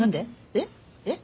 えっ？えっ？